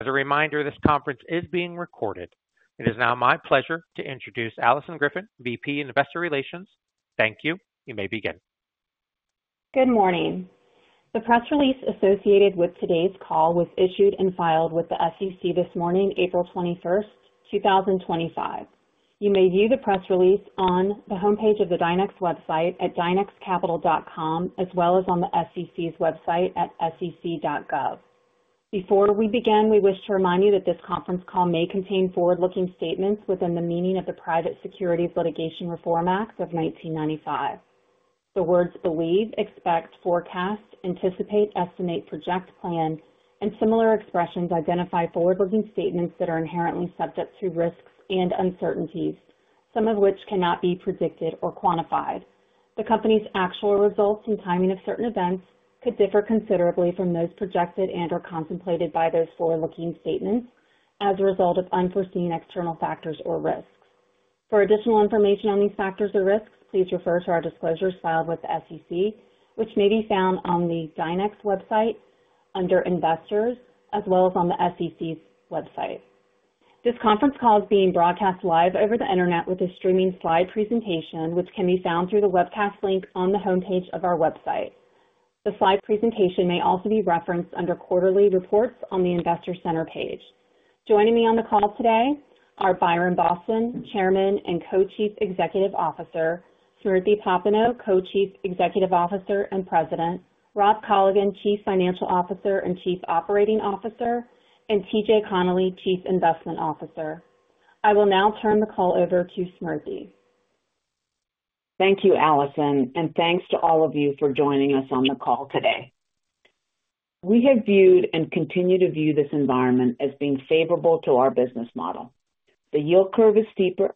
As a reminder, this conference is being recorded. It is now my pleasure to introduce Alison Griffin, VP Investor Relations. Thank you. You may begin. Good morning. The press release associated with today's call was issued and filed with the SEC this morning, April 21, 2025. You may view the press release on the homepage of the Dynex Capital website at dynexcapital.com, as well as on the SEC's website at sec.gov. Before we begin, we wish to remind you that this conference call may contain forward-looking statements within the meaning of the Private Securities Litigation Reform Act of 1995. The words "believe, expect, forecast, anticipate, estimate, project, plan," and similar expressions identify forward-looking statements that are inherently subject to risks and uncertainties, some of which cannot be predicted or quantified. The company's actual results and timing of certain events could differ considerably from those projected and/or contemplated by those forward-looking statements as a result of unforeseen external factors or risks. For additional information on these factors or risks, please refer to our disclosures filed with the SEC, which may be found on the Dynex website under Investors, as well as on the SEC's website. This conference call is being broadcast live over the internet with a streaming slide presentation, which can be found through the webcast link on the homepage of our website. The slide presentation may also be referenced under Quarterly Reports on the Investor Center page. Joining me on the call today are Byron Boston, Chairman and Co-Chief Executive Officer; Smriti Popenoe, Co-Chief Executive Officer and President; Rob Colligan, Chief Financial Officer and Chief Operating Officer; and T.J. Connelly, Chief Investment Officer. I will now turn the call over to Smriti. Thank you, Alison, and thanks to all of you for joining us on the call today. We have viewed and continue to view this environment as being favorable to our business model. The yield curve is steeper,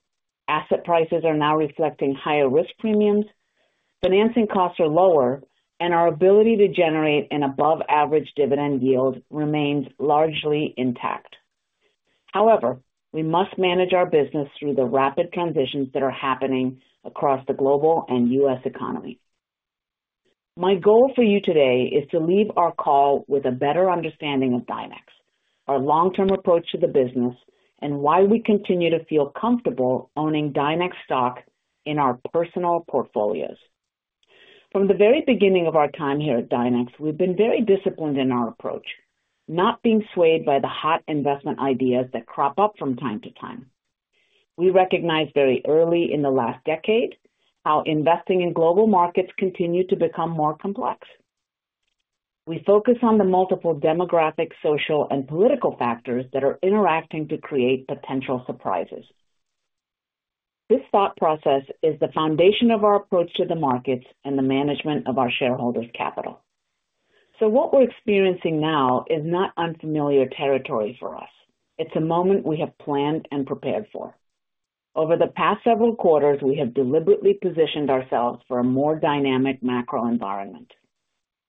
asset prices are now reflecting higher risk premiums, financing costs are lower, and our ability to generate an above-average dividend yield remains largely intact. However, we must manage our business through the rapid transitions that are happening across the global and US economy. My goal for you today is to leave our call with a better understanding of Dynex, our long-term approach to the business, and why we continue to feel comfortable owning Dynex stock in our personal portfolios. From the very beginning of our time here at Dynex, we've been very disciplined in our approach, not being swayed by the hot investment ideas that crop up from time to time. We recognize very early in the last decade how investing in global markets continued to become more complex. We focus on the multiple demographic, social, and political factors that are interacting to create potential surprises. This thought process is the foundation of our approach to the markets and the management of our shareholders' capital. What we're experiencing now is not unfamiliar territory for us. It's a moment we have planned and prepared for. Over the past several quarters, we have deliberately positioned ourselves for a more dynamic macro environment.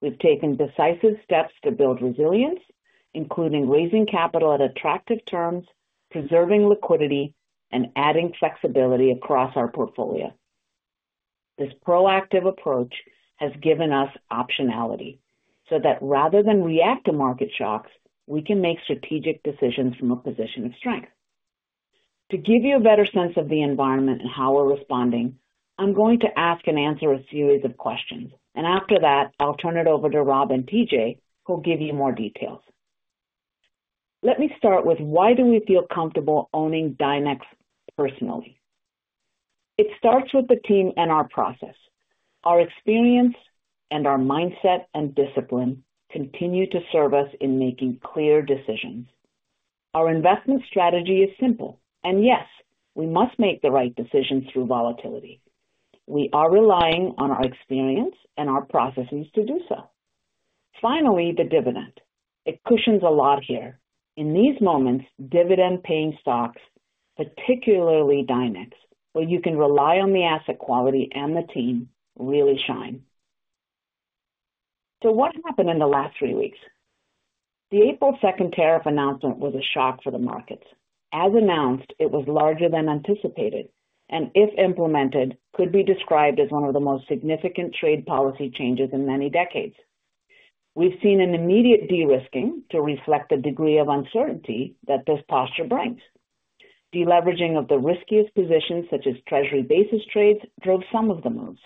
We've taken decisive steps to build resilience, including raising capital at attractive terms, preserving liquidity, and adding flexibility across our portfolio. This proactive approach has given us optionality so that rather than react to market shocks, we can make strategic decisions from a position of strength. To give you a better sense of the environment and how we're responding, I'm going to ask and answer a series of questions, and after that, I'll turn it over to Rob and T.J., who'll give you more details. Let me start with why do we feel comfortable owning Dynex personally? It starts with the team and our process. Our experience and our mindset and discipline continue to serve us in making clear decisions. Our investment strategy is simple, and yes, we must make the right decisions through volatility. We are relying on our experience and our processes to do so. Finally, the dividend. It cushions a lot here. In these moments, dividend-paying stocks, particularly Dynex, where you can rely on the asset quality and the team, really shine. What happened in the last three weeks? The April second tariff announcement was a shock for the markets. As announced, it was larger than anticipated and, if implemented, could be described as one of the most significant trade policy changes in many decades. We've seen an immediate de-risking to reflect the degree of uncertainty that this posture brings. Deleveraging of the riskiest positions, such as Treasury basis trades, drove some of the moves.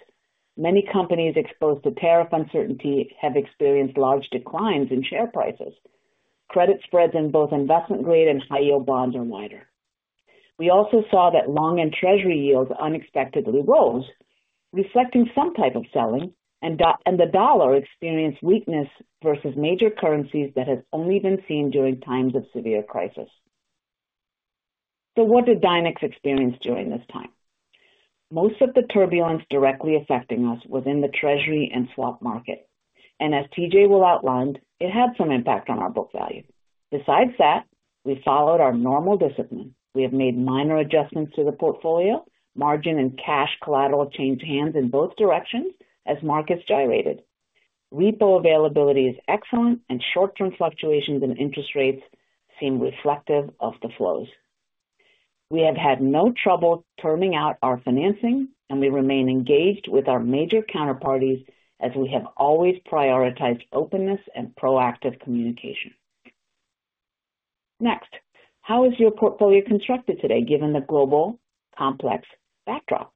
Many companies exposed to tariff uncertainty have experienced large declines in share prices. Credit spreads in both investment-grade and high-yield bonds are wider. We also saw that long-end Treasury yields unexpectedly rose, reflecting some type of selling, and the dollar experienced weakness versus major currencies that has only been seen during times of severe crisis. What did Dynex experience during this time? Most of the turbulence directly affecting us was in the Treasury and swap market, and as T.J. will outline, it had some impact on our book value. Besides that, we followed our normal discipline. We have made minor adjustments to the portfolio, margin and cash collateral changed hands in both directions as markets gyrated. Repo availability is excellent, and short-term fluctuations in interest rates seem reflective of the flows. We have had no trouble turning out our financing, and we remain engaged with our major counterparties as we have always prioritized openness and proactive communication. Next, how is your portfolio constructed today given the global complex backdrop?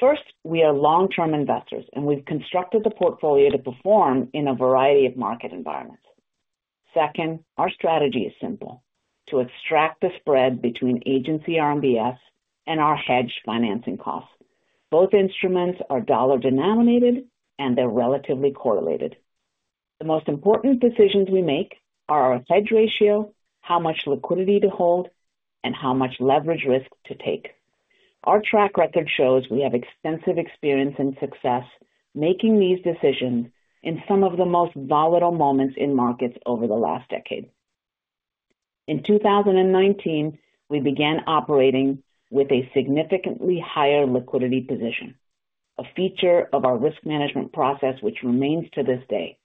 First, we are long-term investors, and we've constructed the portfolio to perform in a variety of market environments. Second, our strategy is simple: to extract the spread between agency RMBS and our hedged financing costs. Both instruments are dollar-denominated, and they're relatively correlated. The most important decisions we make are our hedge ratio, how much liquidity to hold, and how much leverage risk to take. Our track record shows we have extensive experience and success making these decisions in some of the most volatile moments in markets over the last decade. In 2019, we began operating with a significantly higher liquidity position, a feature of our risk management process which remains to this day.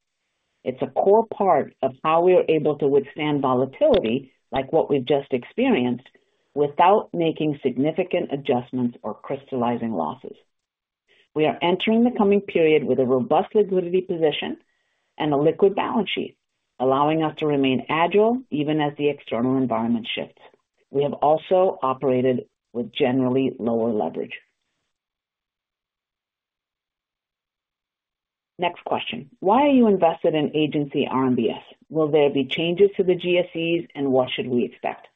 It's a core part of how we are able to withstand volatility like what we've just experienced without making significant adjustments or crystallizing losses. We are entering the coming period with a robust liquidity position and a liquid balance sheet, allowing us to remain agile even as the external environment shifts. We have also operated with generally lower leverage. Next question: why are you invested in agency RMBS? Will there be changes to the GSEs, and what should we expect?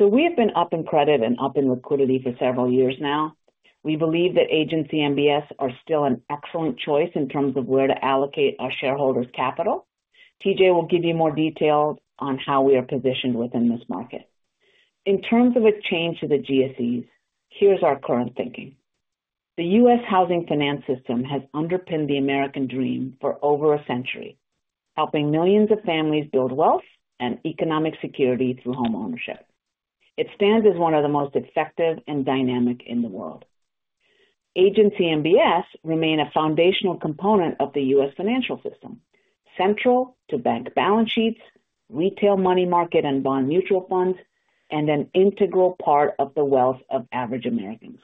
We have been up in credit and up in liquidity for several years now. We believe that agency MBS are still an excellent choice in terms of where to allocate our shareholders' capital. T.J. will give you more detail on how we are positioned within this market. In terms of its change to the GSEs, here's our current thinking. The U.S. housing finance system has underpinned the American dream for over a century, helping millions of families build wealth and economic security through homeownership. It stands as one of the most effective and dynamic in the world. Agency MBS remain a foundational component of the U.S. financial system, central to bank balance sheets, retail money market, and bond mutual funds, and an integral part of the wealth of average Americans.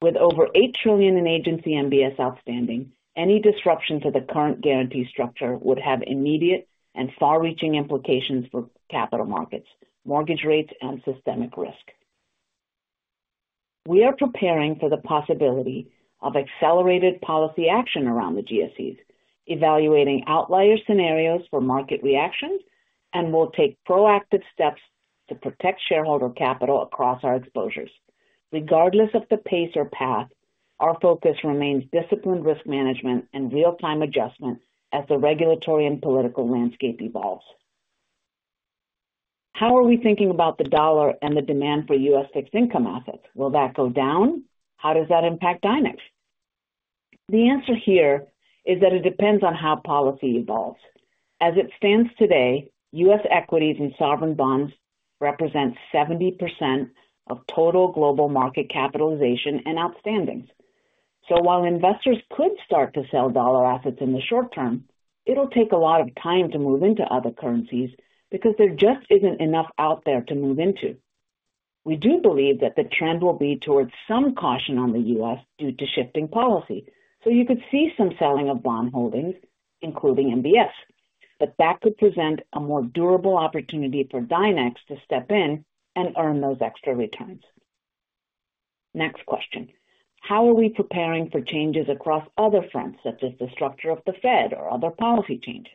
With over $8 trillion in agency MBS outstanding, any disruption to the current guarantee structure would have immediate and far-reaching implications for capital markets, mortgage rates, and systemic risk. We are preparing for the possibility of accelerated policy action around the GSEs, evaluating outlier scenarios for market reactions, and we'll take proactive steps to protect shareholder capital across our exposures. Regardless of the pace or path, our focus remains disciplined risk management and real-time adjustment as the regulatory and political landscape evolves. How are we thinking about the dollar and the demand for U.S. fixed income assets? Will that go down? How does that impact Dynex? The answer here is that it depends on how policy evolves. As it stands today, US equities and sovereign bonds represent 70% of total global market capitalization and outstandings. While investors could start to sell dollar assets in the short term, it'll take a lot of time to move into other currencies because there just isn't enough out there to move into. We do believe that the trend will be towards some caution on the U.S. due to shifting policy. You could see some selling of bond holdings, including MBS, but that could present a more durable opportunity for Dynex to step in and earn those extra returns. Next question: how are we preparing for changes across other fronts, such as the structure of the Fed or other policy changes?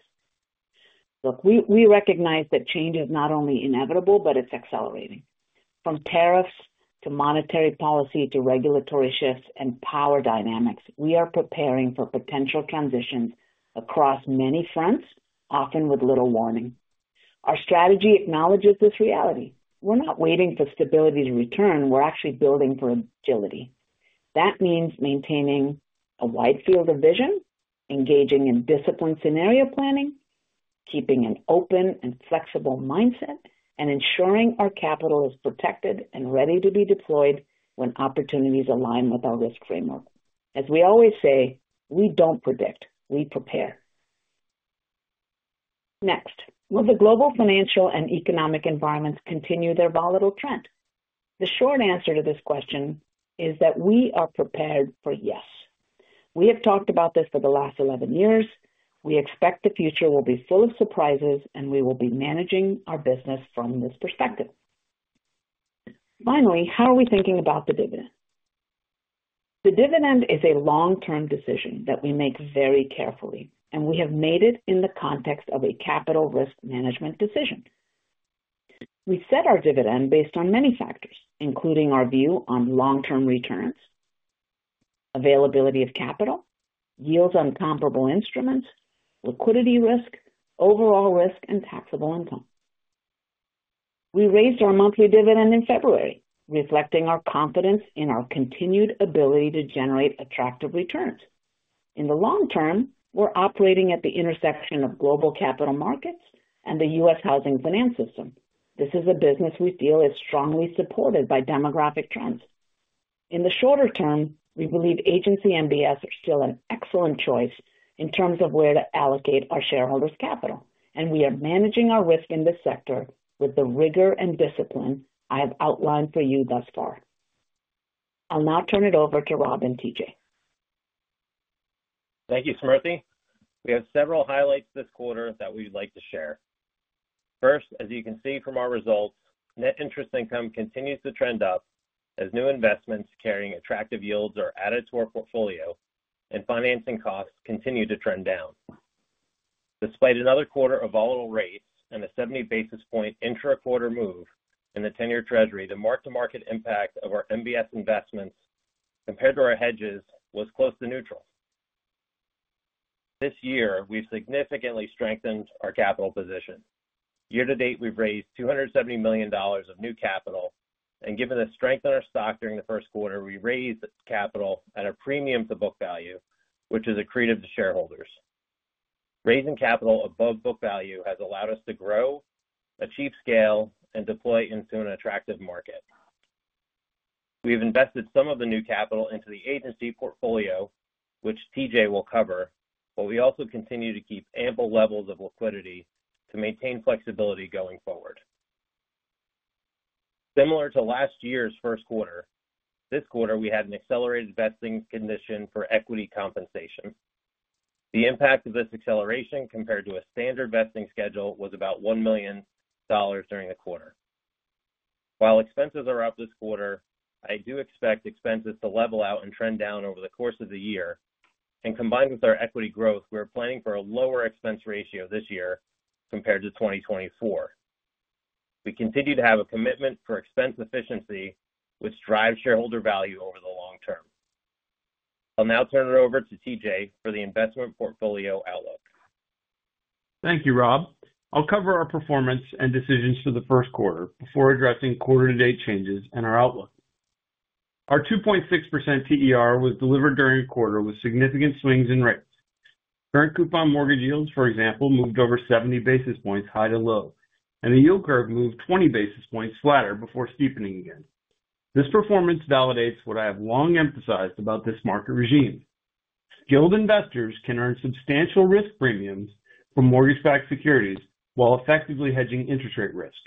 Look, we recognize that change is not only inevitable, but it is accelerating. From tariffs to monetary policy to regulatory shifts and power dynamics, we are preparing for potential transitions across many fronts, often with little warning. Our strategy acknowledges this reality. We are not waiting for stability to return; we are actually building for agility. That means maintaining a wide field of vision, engaging in disciplined scenario planning, keeping an open and flexible mindset, and ensuring our capital is protected and ready to be deployed when opportunities align with our risk framework. As we always say, we do not predict; we prepare. Next, will the global financial and economic environments continue their volatile trend? The short answer to this question is that we are prepared for yes. We have talked about this for the last 11 years. We expect the future will be full of surprises, and we will be managing our business from this perspective. Finally, how are we thinking about the dividend? The dividend is a long-term decision that we make very carefully, and we have made it in the context of a capital risk management decision. We set our dividend based on many factors, including our view on long-term returns, availability of capital, yields on comparable instruments, liquidity risk, overall risk, and taxable income. We raised our monthly dividend in February, reflecting our confidence in our continued ability to generate attractive returns. In the long term, we're operating at the intersection of global capital markets and the U.S. housing finance system. This is a business we feel is strongly supported by demographic trends. In the shorter term, we believe agency MBS are still an excellent choice in terms of where to allocate our shareholders' capital, and we are managing our risk in this sector with the rigor and discipline I have outlined for you thus far. I'll now turn it over to Rob and T.J. Thank you, Smriti. We have several highlights this quarter that we'd like to share. First, as you can see from our results, net interest income continues to trend up as new investments carrying attractive yields are added to our portfolio, and financing costs continue to trend down. Despite another quarter of volatile rates and a 70 basis point intra-quarter move in the 10-year Treasury, the mark-to-market impact of our MBS investments compared to our hedges was close to neutral. This year, we've significantly strengthened our capital position. Year-to-date, we've raised $270 million of new capital, and given the strength in our stock during the Q1, we raised capital at a premium to book value, which is accretive to shareholders. Raising capital above book value has allowed us to grow, achieve scale, and deploy into an attractive market. We have invested some of the new capital into the agency portfolio, which T.J. will cover, but we also continue to keep ample levels of liquidity to maintain flexibility going forward. Similar to last year's Q1, this quarter we had an accelerated vesting condition for equity compensation. The impact of this acceleration compared to a standard vesting schedule was about $1 million during the quarter. While expenses are up this quarter, I do expect expenses to level out and trend down over the course of the year, and combined with our equity growth, we're planning for a lower expense ratio this year compared to 2024. We continue to have a commitment for expense efficiency, which drives shareholder value over the long term. I'll now turn it over to T.J. for the investment portfolio outlook. Thank you, Rob. I'll cover our performance and decisions for the Q1 before addressing quarter-to-date changes and our outlook. Our 2.6% TER was delivered during the quarter with significant swings in rates. Current coupon mortgage yields, for example, moved over 70 basis points high to low, and the yield curve moved 20 basis points flatter before steepening again. This performance validates what I have long emphasized about this market regime: skilled investors can earn substantial risk premiums for mortgage-backed securities while effectively hedging interest rate risk.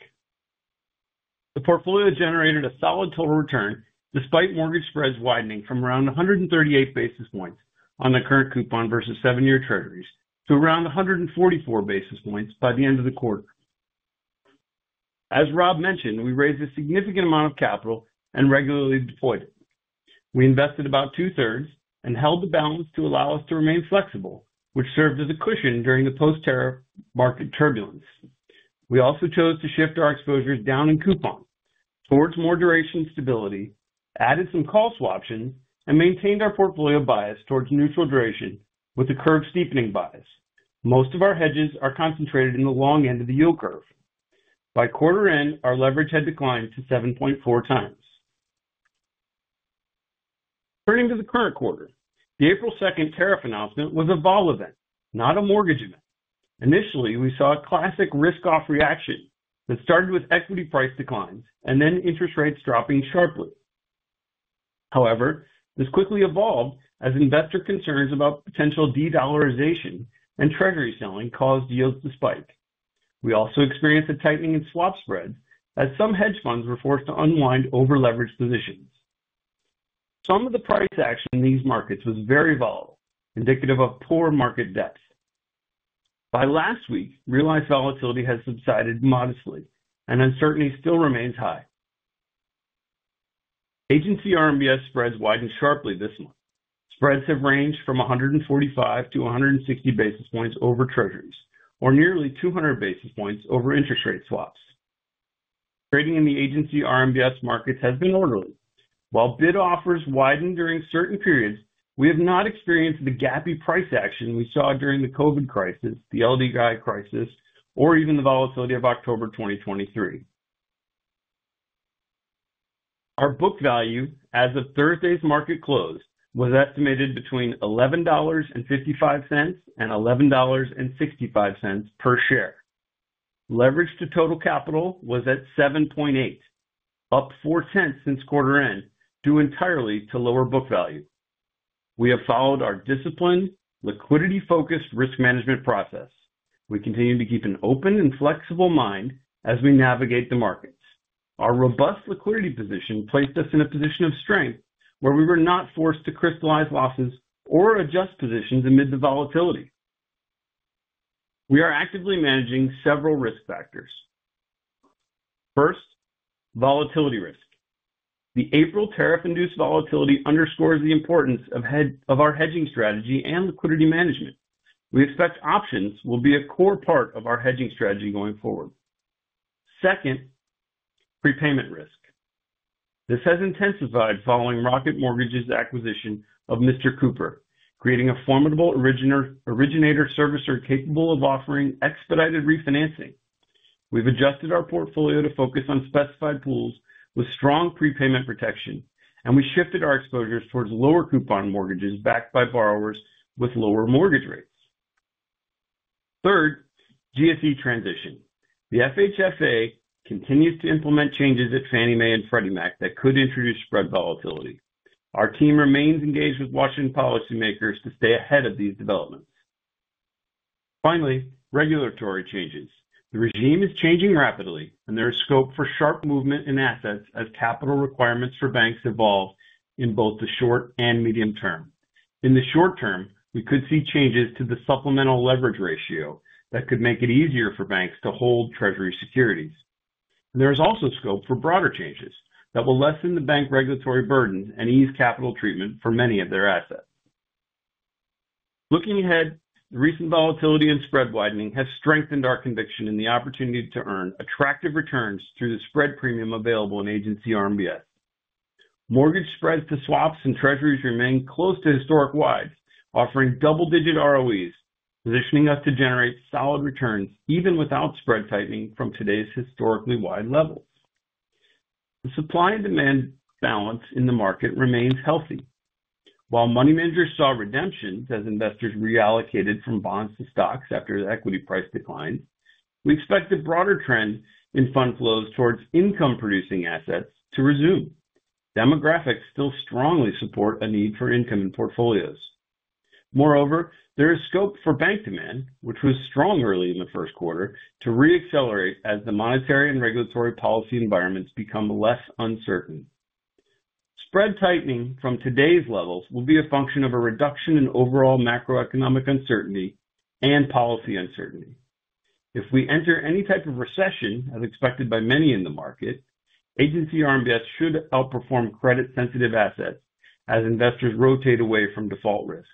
The portfolio generated a solid total return despite mortgage spreads widening from around 138 basis points on the current coupon versus seven year Treasuries to around 144 basis points by the end of the quarter. As Rob mentioned, we raised a significant amount of capital and regularly deployed it. We invested about two-thirds and held the balance to allow us to remain flexible, which served as a cushion during the post-terror market turbulence. We also chose to shift our exposures down in coupon towards more duration stability, added some call swap options, and maintained our portfolio bias towards neutral duration with a curve steepening bias. Most of our hedges are concentrated in the long end of the yield curve. By quarter end, our leverage had declined to 7.4x. Turning to the current quarter, the April 2 tariff announcement was a vol event, not a mortgage event. Initially, we saw a classic risk-off reaction that started with equity price declines and then interest rates dropping sharply. However, this quickly evolved as investor concerns about potential de-dollarization and Treasury selling caused yields to spike. We also experienced a tightening in swap spreads as some hedge funds were forced to unwind over-leveraged positions. Some of the price action in these markets was very volatile, indicative of poor market depth. By last week, realized volatility has subsided modestly, and uncertainty still remains high. Agency RMBS spreads widened sharply this month. Spreads have ranged from 145-160 basis points over Treasuries, or nearly 200 basis points over interest rate swaps. Trading in the agency RMBS markets has been orderly. While bid offers widened during certain periods, we have not experienced the gappy price action we saw during the COVID crisis, the LDI crisis, or even the volatility of October 2023. Our book value as of Thursday's market close was estimated between $11.55 and 11.65 per share. Leverage to total capital was at 7.8, up four-tenths since quarter end due entirely to lower book value. We have followed our disciplined, liquidity-focused risk management process. We continue to keep an open and flexible mind as we navigate the markets. Our robust liquidity position placed us in a position of strength where we were not forced to crystallize losses or adjust positions amid the volatility. We are actively managing several risk factors. First, volatility risk. The April tariff-induced volatility underscores the importance of our hedging strategy and liquidity management. We expect options will be a core part of our hedging strategy going forward. Second, prepayment risk. This has intensified following Rocket Mortgage's acquisition of Mr. Cooper, creating a formidable originator servicer capable of offering expedited refinancing. We've adjusted our portfolio to focus on specified pools with strong prepayment protection, and we shifted our exposures towards lower coupon mortgages backed by borrowers with lower mortgage rates. Third, GSE transition. The FHFA continues to implement changes at Fannie Mae and Freddie Mac that could introduce spread volatility. Our team remains engaged with Washington policymakers to stay ahead of these developments. Finally, regulatory changes. The regime is changing rapidly, and there is scope for sharp movement in assets as capital requirements for banks evolve in both the short and medium term. In the short term, we could see changes to the supplemental leverage ratio that could make it easier for banks to hold Treasury securities. There is also scope for broader changes that will lessen the bank regulatory burdens and ease capital treatment for many of their assets. Looking ahead, the recent volatility and spread widening have strengthened our conviction in the opportunity to earn attractive returns through the spread premium available in agency RMBS. Mortgage spreads to swaps and Treasuries remain close to historic wides, offering double-digit ROEs, positioning us to generate solid returns even without spread tightening from today's historically wide levels. The supply and demand balance in the market remains healthy. While money managers saw redemptions as investors reallocated from bonds to stocks after the equity price declines, we expect a broader trend in fund flows towards income-producing assets to resume. Demographics still strongly support a need for income in portfolios. Moreover, there is scope for bank demand, which was strong early in the Q1, to re-accelerate as the monetary and regulatory policy environments become less uncertain. Spread tightening from today's levels will be a function of a reduction in overall macroeconomic uncertainty and policy uncertainty. If we enter any type of recession, as expected by many in the market, agency RMBS should outperform credit-sensitive assets as investors rotate away from default risk.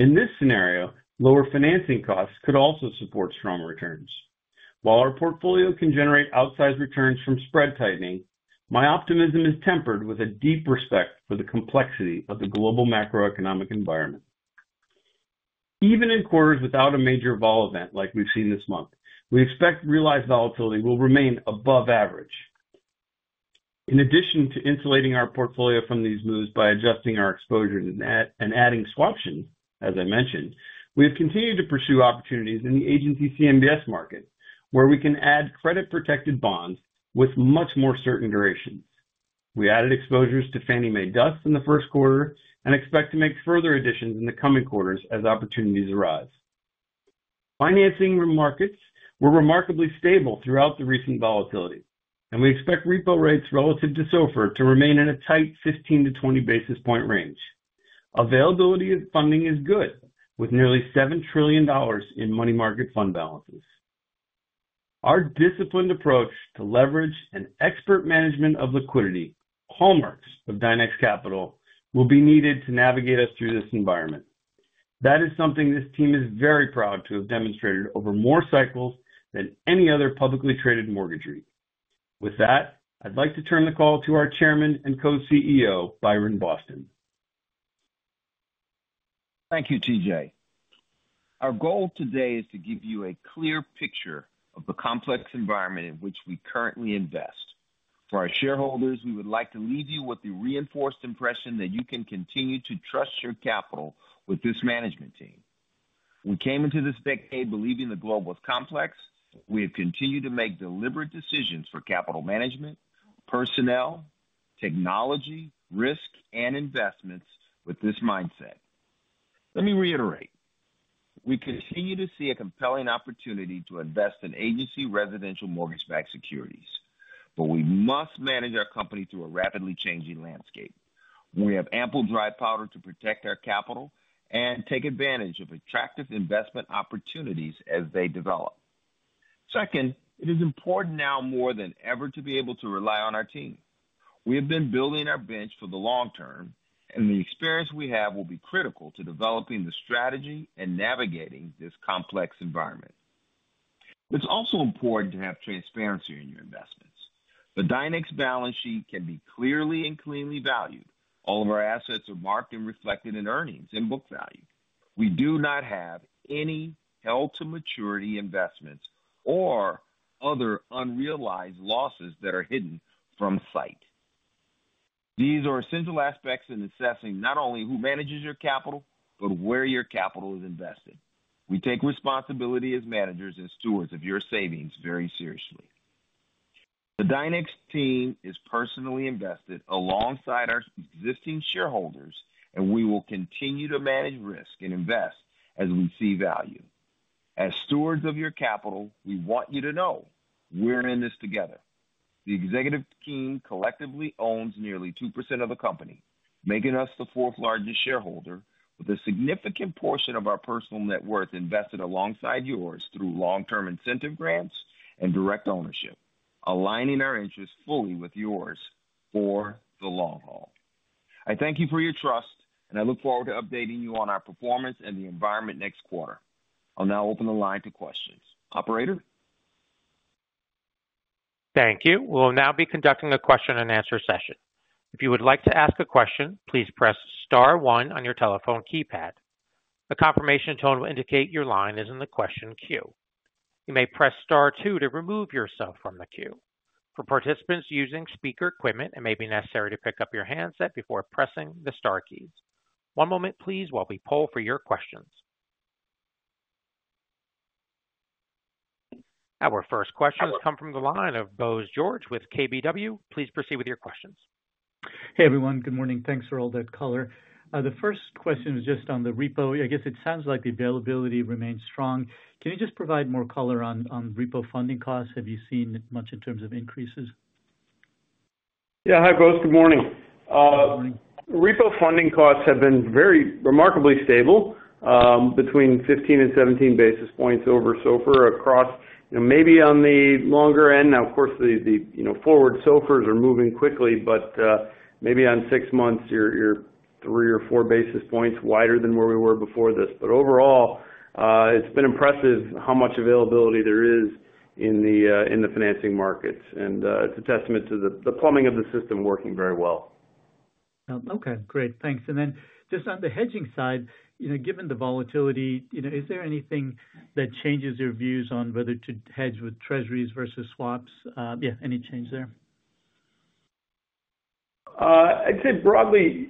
In this scenario, lower financing costs could also support strong returns. While our portfolio can generate outsized returns from spread tightening, my optimism is tempered with a deep respect for the complexity of the global macroeconomic environment. Even in quarters without a major vol event like we've seen this month, we expect realized volatility will remain above average. In addition to insulating our portfolio from these moves by adjusting our exposure and adding swap options, as I mentioned, we have continued to pursue opportunities in the agency CMBS market, where we can add credit-protected bonds with much more certain durations. We added exposures to Fannie Mae DUS in the Q1 and expect to make further additions in the coming quarters as opportunities arise. Financing markets were remarkably stable throughout the recent volatility, and we expect repo rates relative to SOFR to remain in a tight 15-20 basis point range. Availability of funding is good, with nearly $7 trillion in money market fund balances. Our disciplined approach to leverage and expert management of liquidity, hallmarks of Dynex Capital, will be needed to navigate us through this environment. That is something this team is very proud to have demonstrated over more cycles than any other publicly traded mortgage REIT. With that, I'd like to turn the call to our Chairman and Co-CEO, Byron Boston. Thank you, T.J. Our goal today is to give you a clear picture of the complex environment in which we currently invest. For our shareholders, we would like to leave you with the reinforced impression that you can continue to trust your capital with this management team. We came into this decade believing the globe was complex. We have continued to make deliberate decisions for capital management, personnel, technology, risk, and investments with this mindset. Let me reiterate. We continue to see a compelling opportunity to invest in agency residential mortgage-backed securities, but we must manage our company through a rapidly changing landscape. We have ample dry powder to protect our capital and take advantage of attractive investment opportunities as they develop. Second, it is important now more than ever to be able to rely on our team. We have been building our bench for the long term, and the experience we have will be critical to developing the strategy and navigating this complex environment. It's also important to have transparency in your investments. The Dynex balance sheet can be clearly and cleanly valued. All of our assets are marked and reflected in earnings and book value. We do not have any held-to-maturity investments or other unrealized losses that are hidden from sight. These are essential aspects in assessing not only who manages your capital, but where your capital is invested. We take responsibility as managers and stewards of your savings very seriously. The Dynex team is personally invested alongside our existing shareholders, and we will continue to manage risk and invest as we see value. As stewards of your capital, we want you to know we're in this together. The executive team collectively owns nearly 2% of the company, making us the fourth largest shareholder, with a significant portion of our personal net worth invested alongside yours through long-term incentive grants and direct ownership, aligning our interests fully with yours for the long haul. I thank you for your trust, and I look forward to updating you on our performance and the environment next quarter. I'll now open the line to questions. Operator. Thank you. We'll now be conducting a question-and-answer session. If you would like to ask a question, please press Star 1 on your telephone keypad. The confirmation tone will indicate your line is in the question queue. You may press star two to remove yourself from the queue. For participants using speaker equipment, it may be necessary to pick up your handset before pressing the star keys. One moment, please, while we poll for your questions. Our first question has come from the line of Bose George with KBW. Please proceed with your questions. Hey, everyone. Good morning. Thanks for all that color. The first question is just on the repo. I guess it sounds like the availability remains strong. Can you just provide more color on repo funding costs? Have you seen much in terms of increases? Hi, Bose. Good morning. Repo funding costs have been very remarkably stable between 15 and 17 basis points over SOFR across maybe on the longer end. Now, of course, the forward SOFRs are moving quickly, but maybe on six months, you're three or four basis points wider than where we were before this. Overall, it's been impressive how much availability there is in the financing markets. It's a testament to the plumbing of the system working very well. Okay. Great. Thanks. Then just on the hedging side, given the volatility, is there anything that changes your views on whether to hedge with Treasuries versus swaps? Yeah, any change there? I'd say broadly,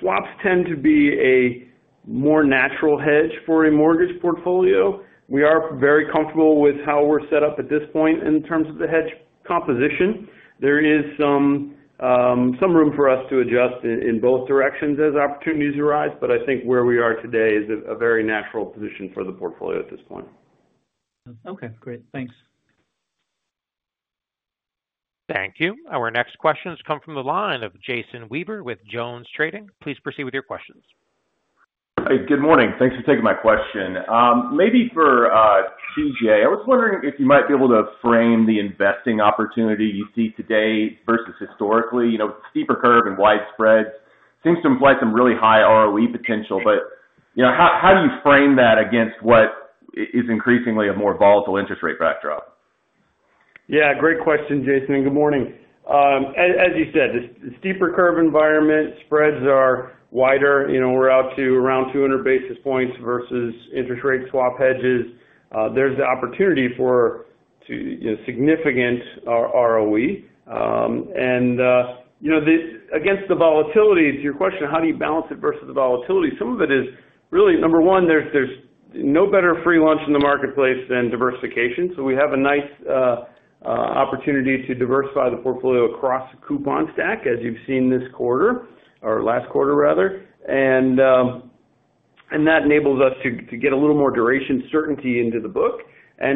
swaps tend to be a more natural hedge for a mortgage portfolio. We are very comfortable with how we're set up at this point in terms of the hedge composition. There is some room for us to adjust in both directions as opportunities arise, but I think where we are today is a very natural position for the portfolio at this point. Okay. Great. Thanks. Thank you. Our next question has come from the line of Jason Weaver with Jones Trading. Please proceed with your questions. Hey, good morning. Thanks for taking my question. Maybe for T.J., I was wondering if you might be able to frame the investing opportunity you see today versus historically. Steeper curve and wide spreads seem to imply some really high ROE potential, but how do you frame that against what is increasingly a more volatile interest rate backdrop? Great question, Jason. Good morning. As you said, the steeper curve environment, spreads are wider. We're out to around 200 basis points versus interest rate swap hedges. There's the opportunity for significant ROE. Against the volatility, to your question, how do you balance it versus the volatility? Some of it is really, number one, there's no better free lunch in the marketplace than diversification. We have a nice opportunity to diversify the portfolio across the coupon stack, as you've seen this quarter or last quarter, rather. That enables us to get a little more duration certainty into the book. At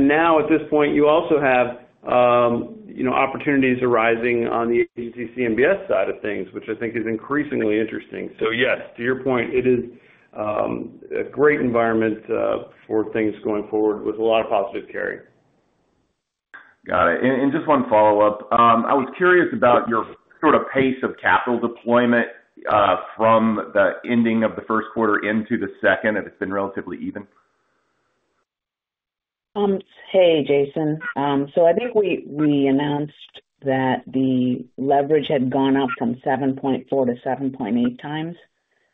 this point, you also have opportunities arising on the agency CMBS side of things, which I think is increasingly interesting. Yes, to your point, it is a great environment for things going forward with a lot of positive carry. Got it. Just one follow-up. I was curious about your sort of pace of capital deployment from the ending of the Q1 into the second, if it's been relatively even. Jason. I think we announced that the leverage had gone up from 7.4 to 7.8x,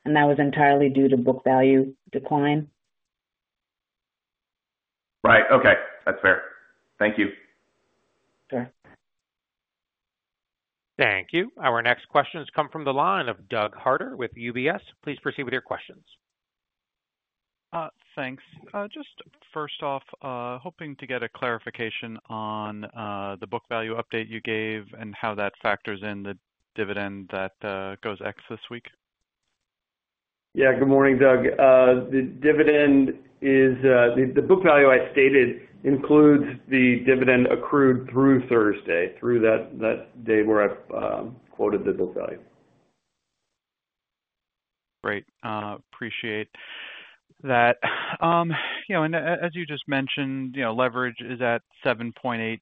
and that was entirely due to book value decline. Right. Okay. That's fair. Thank you. Sure. Thank you. Our next question has come from the line of Doug Harter with UBS. Please proceed with your questions. Thanks. Just first off, hoping to get a clarification on the book value update you gave and how that factors in the dividend that goes ex this week. Good morning, Doug. The dividend is the book value I stated includes the dividend accrued through Thursday, through that day where I quoted the book value. Great. Appreciate that. As you just mentioned, leverage is at 7.8x.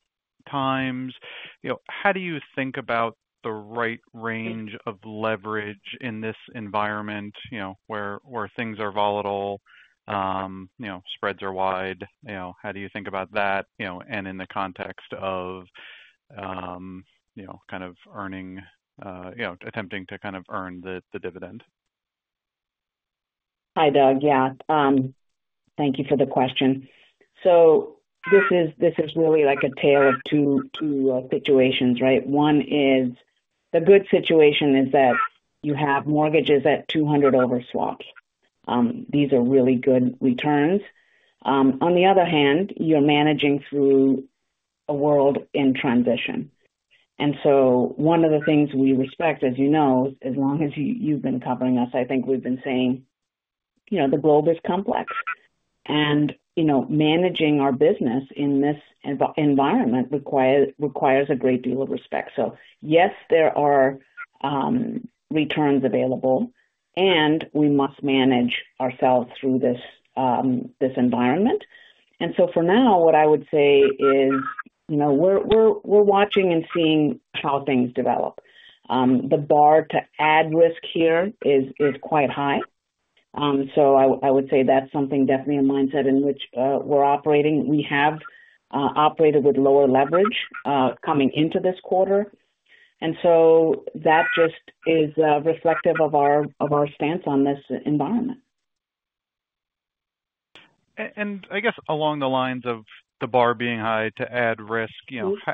How do you think about the right range of leverage in this environment where things are volatile, spreads are wide? How do you think about that and in the context of kind of earning, attempting to kind of earn the dividend? Hi, Doug. Yeah. Thank you for the question. This is really like a tale of two situations, right? One is the good situation is that you have mortgages at 200 over swaps. These are really good returns. On the other hand, you're managing through a world in transition. One of the things we respect, as you know, as long as you've been covering us, I think we've been saying the globe is complex. Managing our business in this environment requires a great deal of respect. Yes, there are returns available, and we must manage ourselves through this environment. For now, what I would say is we're watching and seeing how things develop. The bar to add risk here is quite high. I would say that's something definitely a mindset in which we're operating. We have operated with lower leverage coming into this quarter. That just is reflective of our stance on this environment. I guess along the lines of the bar being high to add risk,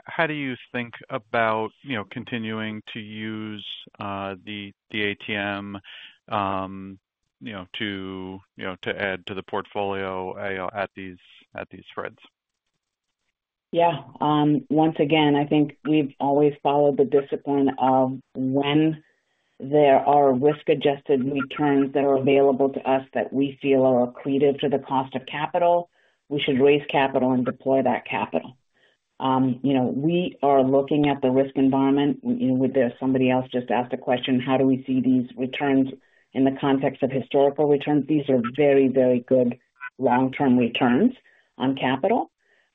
how do you think about continuing to use the ATM to add to the portfolio at these spreads? Once again, I think we've always followed the discipline of when there are risk-adjusted returns that are available to us that we feel are accretive to the cost of capital, we should raise capital and deploy that capital. We are looking at the risk environment. Somebody else just asked a question, how do we see these returns in the context of historical returns? These are very, very good long-term returns on capital.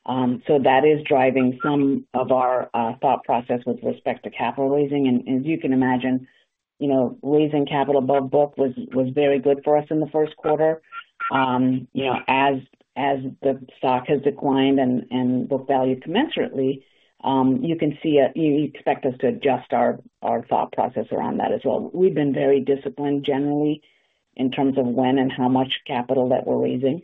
That is driving some of our thought process with respect to capital raising. As you can imagine, raising capital above book was very good for us in the Q1. As the stock has declined and book value commensurately, you can see it. You expect us to adjust our thought process around that as well. We've been very disciplined generally in terms of when and how much capital that we're raising.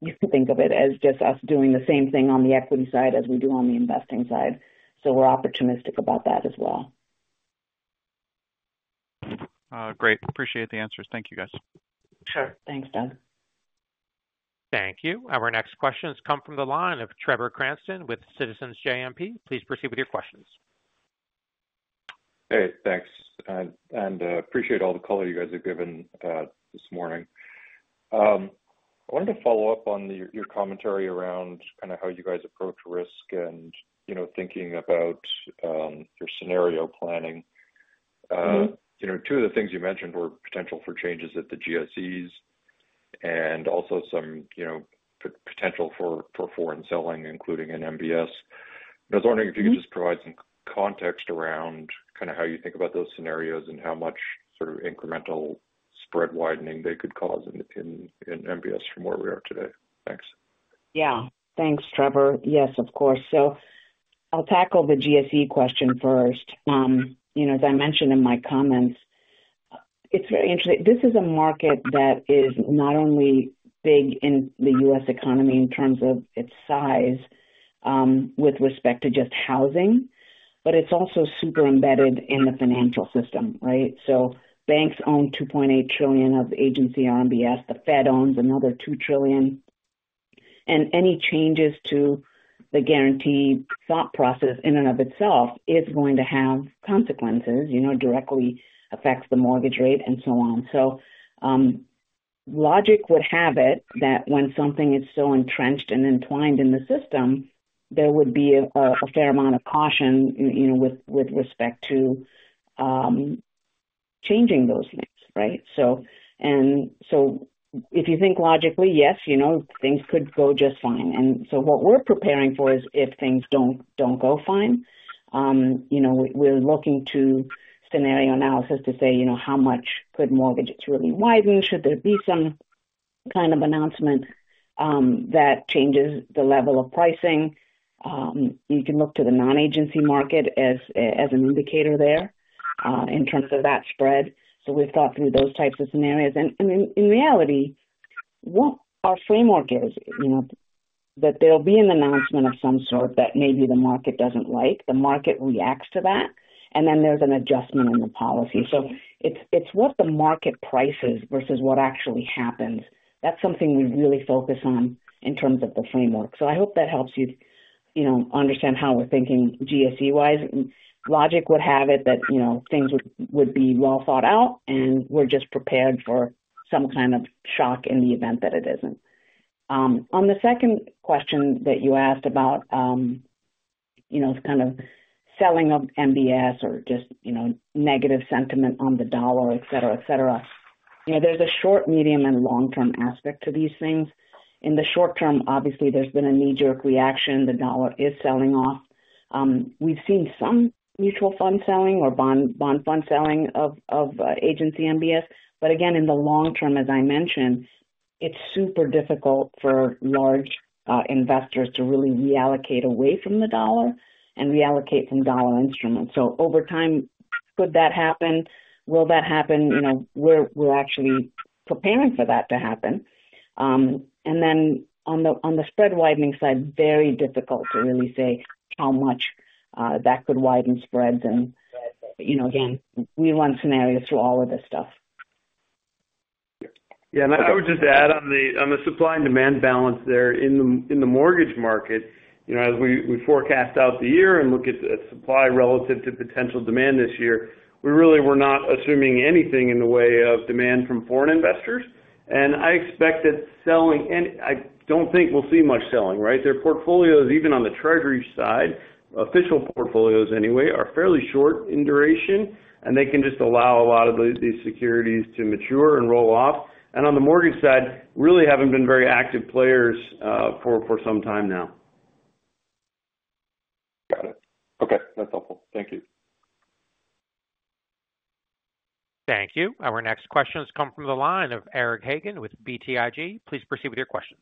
You can think of it as just us doing the same thing on the equity side as we do on the investing side. We are opportunistic about that as well. Great. Appreciate the answers. Thank you, guys. Sure. Thanks, Doug. Thank you. Our next question has come from the line of Trevor Cranston with Citizens JMP. Please proceed with your questions. Thanks. I appreciate all the color you guys have given this morning. I wanted to follow up on your commentary around kind of how you guys approach risk and thinking about your scenario planning. Two of the things you mentioned were potential for changes at the GSEs and also some potential for foreign selling, including in MBS. I was wondering if you could just provide some context around kind of how you think about those scenarios and how much sort of incremental spread widening they could cause in MBS from where we are today. Thanks. Thanks, Trevor. Yes, of course. I'll tackle the GSE question first. As I mentioned in my comments, it's very interesting. This is a market that is not only big in the U.S. economy in terms of its size with respect to just housing, but it's also super embedded in the financial system, right? Banks own $2.8 trillion of agency RMBS. The Fed owns another $2 trillion. Any changes to the guarantee thought process in and of itself is going to have consequences, directly affects the mortgage rate and so on. Logic would have it that when something is so entrenched and entwined in the system, there would be a fair amount of caution with respect to changing those things, right? If you think logically, yes, things could go just fine. What we're preparing for is if things do not go fine, we're looking to scenario analysis to say how much could mortgages really widen, should there be some kind of announcement that changes the level of pricing. You can look to the non-agency market as an indicator there in terms of that spread. We've thought through those types of scenarios. In reality, what our framework is, that there will be an announcement of some sort that maybe the market does not like, the market reacts to that, and then there is an adjustment in the policy. It is what the market prices versus what actually happens. That is something we really focus on in terms of the framework. I hope that helps you understand how we're thinking GSE-wise. Logic would have it that things would be well thought out, and we're just prepared for some kind of shock in the event that it isn't. On the second question that you asked about kind of selling of MBS or just negative sentiment on the dollar, etc., etc., there's a short, medium, and long-term aspect to these things. In the short term, obviously, there's been a knee-jerk reaction. The dollar is selling off. We've seen some mutual fund selling or bond fund selling of agency MBS. Again, in the long term, as I mentioned, it's super difficult for large investors to really reallocate away from the dollar and reallocate from dollar instruments. Over time, could that happen? Will that happen? We're actually preparing for that to happen. On the spread widening side, very difficult to really say how much that could widen spreads. Again, we run scenarios through all of this stuff. I would just add on the supply and demand balance there in the mortgage market. As we forecast out the year and look at the supply relative to potential demand this year, we really were not assuming anything in the way of demand from foreign investors. I expect that selling and I do not think we will see much selling, right? Their portfolios, even on the Treasury side, official portfolios anyway, are fairly short in duration, and they can just allow a lot of these securities to mature and roll off. On the mortgage side, really have not been very active players for some time now. Got it. Okay. That's helpful. Thank you. Thank you. Our next question has come from the line of Eric Hagen with BTIG. Please proceed with your questions.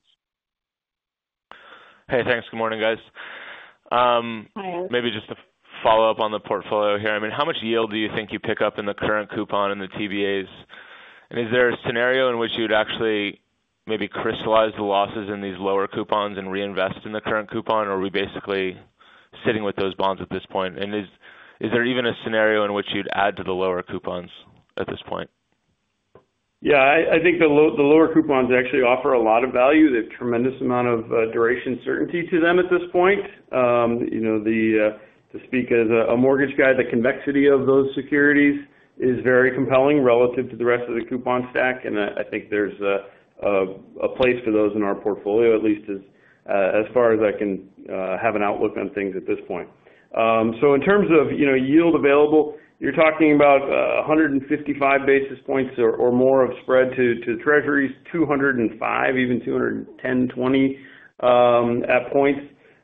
Hey, thanks. Good morning, guys. Hi. Maybe just to follow up on the portfolio here. I mean, how much yield do you think you pick up in the current coupon and the TBAs? Is there a scenario in which you'd actually maybe crystallize the losses in these lower coupons and reinvest in the current coupon, or are we basically sitting with those bonds at this point? Is there even a scenario in which you'd add to the lower coupons at this point? I think the lower coupons actually offer a lot of value. They have a tremendous amount of duration certainty to them at this point. To speak as a mortgage guy, the convexity of those securities is very compelling relative to the rest of the coupon stack. I think there's a place for those in our portfolio, at least as far as I can have an outlook on things at this point. In terms of yield available, you're talking about 155 basis points or more of spread to Treasuries, 205, even 210, 220 at points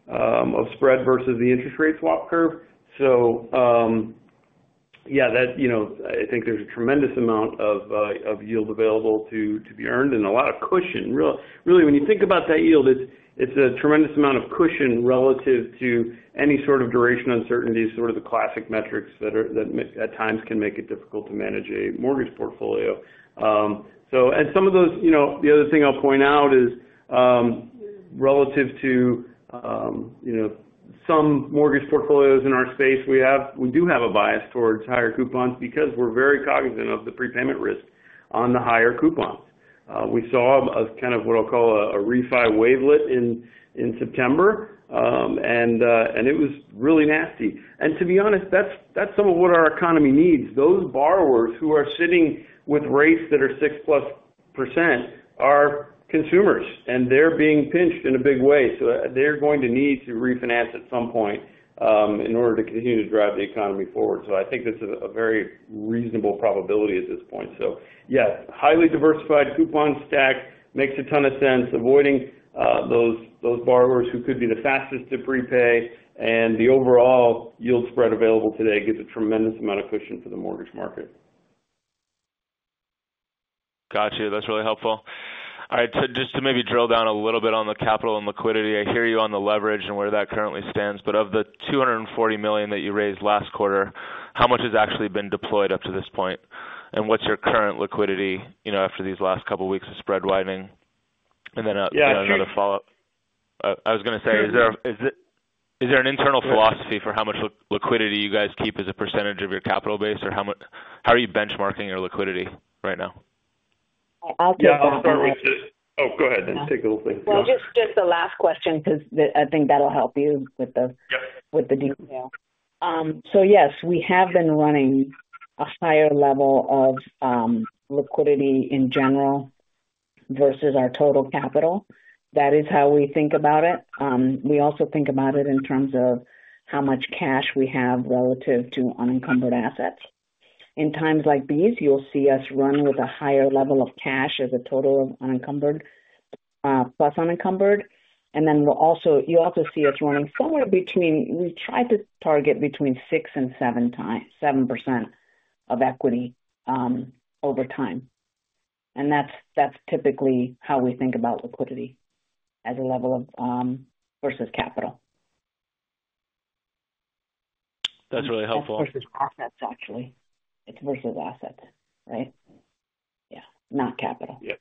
of spread versus the interest rate swap curve. Yeah, I think there's a tremendous amount of yield available to be earned and a lot of cushion. Really, when you think about that yield, it's a tremendous amount of cushion relative to any sort of duration uncertainty, sort of the classic metrics that at times can make it difficult to manage a mortgage portfolio. The other thing I'll point out is relative to some mortgage portfolios in our space, we do have a bias towards higher coupons because we're very cognizant of the prepayment risk on the higher coupons. We saw kind of what I'll call a refi wave lit in September, and it was really nasty. To be honest, that's some of what our economy needs. Those borrowers who are sitting with rates that are 6+% are consumers, and they're being pinched in a big way. They're going to need to refinance at some point in order to continue to drive the economy forward. I think this is a very reasonable probability at this point. Yeah, highly diversified coupon stack makes a ton of sense, avoiding those borrowers who could be the fastest to prepay, and the overall yield spread available today gives a tremendous amount of cushion for the mortgage market. Gotcha. That's really helpful. All right. Just to maybe drill down a little bit on the capital and liquidity, I hear you on the leverage and where that currently stands. Of the $240 million that you raised last quarter, how much has actually been deployed up to this point? What's your current liquidity after these last couple of weeks of spread widening? Another follow-up. I was going to say, is there an internal philosophy for how much liquidity you guys keep as a percentage of your capital base, or how are you benchmarking your liquidity right now? I'll just. Yeah. I'll start with just—oh, go ahead. Just take a little thing. Just the last question because I think that'll help you with the detail. Yes, we have been running a higher level of liquidity in general versus our total capital. That is how we think about it. We also think about it in terms of how much cash we have relative to unencumbered assets. In times like these, you'll see us run with a higher level of cash as a total of unencumbered plus unencumbered. You'll also see us running somewhere between, we've tried to target between 6% to 7% of equity over time. That's typically how we think about liquidity as a level of versus capital. That's really helpful. It's versus assets, actually. It's versus assets, right? Yeah. Not capital. Yeah.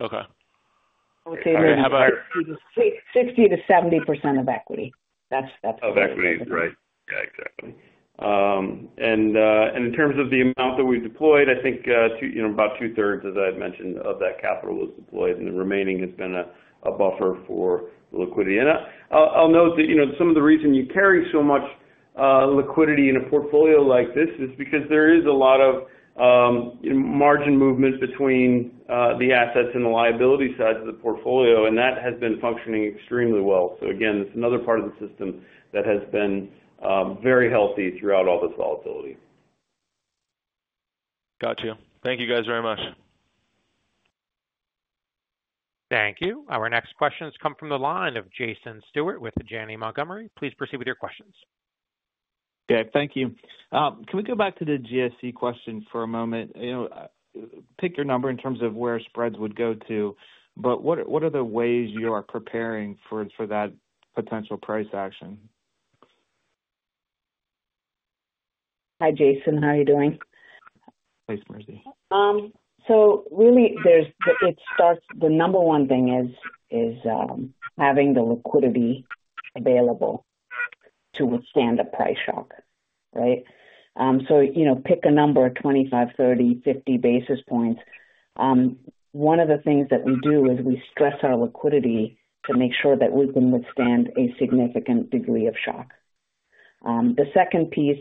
Okay. All right. How about? 60% to 70% of equity. That's the. Of equity, right? Yeah, exactly. In terms of the amount that we've deployed, I think about two-thirds, as I had mentioned, of that capital was deployed, and the remaining has been a buffer for liquidity. I'll note that some of the reason you carry so much liquidity in a portfolio like this is because there is a lot of margin movement between the assets and the liability sides of the portfolio, and that has been functioning extremely well. It is another part of the system that has been very healthy throughout all this volatility. Gotcha. Thank you, guys, very much. Thank you. Our next question has come from the line of Jason Stewart with Janney Montgomery Scott. Please proceed with your questions. Okay. Thank you. Can we go back to the GSE question for a moment? Pick your number in terms of where spreads would go to, but what are the ways you are preparing for that potential price action? Hi, Jason. How are you doing? Thanks, Mercy. Really, the number one thing is having the liquidity available to withstand a price shock, right? Pick a number 25, 30, 50 basis points. One of the things that we do is we stress our liquidity to make sure that we can withstand a significant degree of shock. The second piece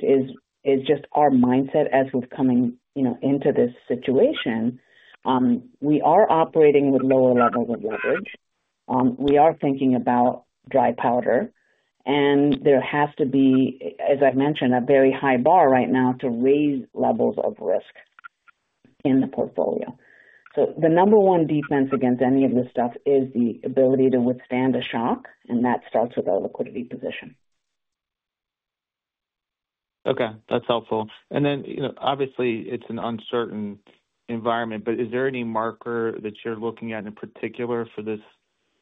is just our mindset as we're coming into this situation. We are operating with lower levels of leverage. We are thinking about dry powder, and there has to be, as I've mentioned, a very high bar right now to raise levels of risk in the portfolio. The number one defense against any of this stuff is the ability to withstand a shock, and that starts with our liquidity position. Okay. That's helpful. Obviously, it's an uncertain environment, but is there any marker that you're looking at in particular for this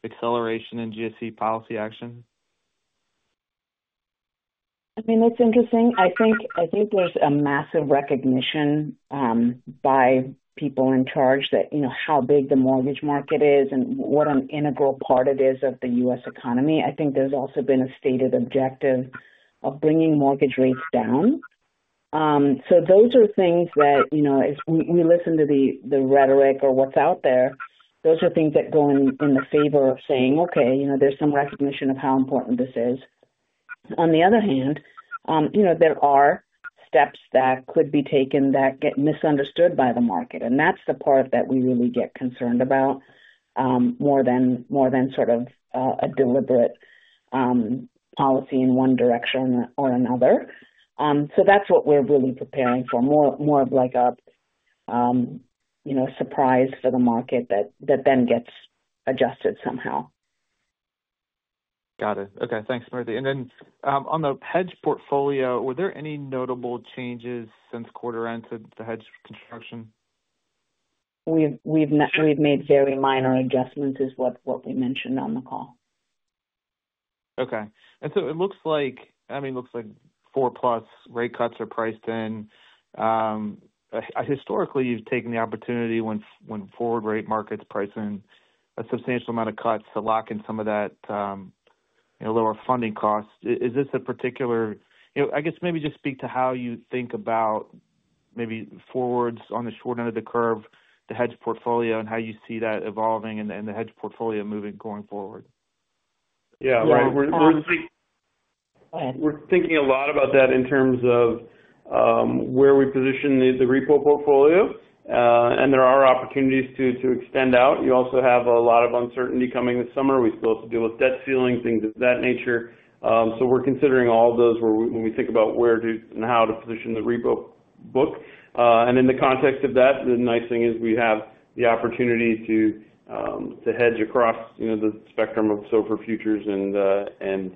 acceleration in GSE policy action? I mean, it's interesting. I think there's a massive recognition by people in charge that how big the mortgage market is and what an integral part it is of the U.S. economy. I think there's also been a stated objective of bringing mortgage rates down. Those are things that, as we listen to the rhetoric or what's out there, those are things that go in the favor of saying, "Okay, there's some recognition of how important this is." On the other hand, there are steps that could be taken that get misunderstood by the market, and that's the part that we really get concerned about more than sort of a deliberate policy in one direction or another. That's what we're really preparing for, more of like a surprise for the market that then gets adjusted somehow. Got it. Okay. Thanks, Mercy. On the hedge portfolio, were there any notable changes since quarter-end to the hedge construction? We've made very minor adjustments is what we mentioned on the call. Okay. It looks like, I mean, it looks like 4 plus rate cuts are priced in. Historically, you've taken the opportunity when forward rate markets price in a substantial amount of cuts to lock in some of that lower funding costs. Is this a particular, I guess, maybe just speak to how you think about maybe forwards on the short end of the curve, the hedge portfolio, and how you see that evolving and the hedge portfolio moving going forward? We're thinking a lot about that in terms of where we position the repo portfolio, and there are opportunities to extend out. You also have a lot of uncertainty coming this summer. We still have to deal with debt ceiling, things of that nature. We are considering all of those when we think about where to and how to position the repo book. In the context of that, the nice thing is we have the opportunity to hedge across the spectrum of SOFR futures and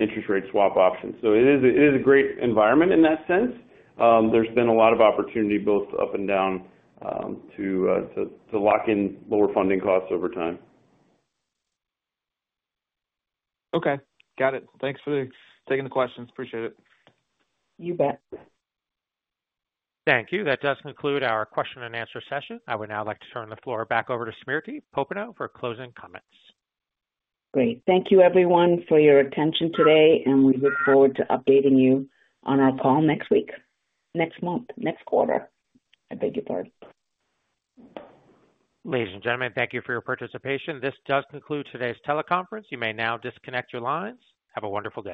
interest rate swap options. It is a great environment in that sense. There has been a lot of opportunity both up and down to lock in lower funding costs over time. Okay. Got it. Thanks for taking the questions. Appreciate it. You bet. Thank you. That does conclude our question and answer session. I would now like to turn the floor back over to Smriti Popenoe for closing comments. Great. Thank you, everyone, for your attention today, and we look forward to updating you on our call next week, next month, next quarter. I beg your pardon. Ladies and gentlemen, thank you for your participation. This does conclude today's teleconference. You may now disconnect your lines. Have a wonderful day.